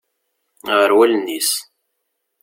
Ɣer wallen-is.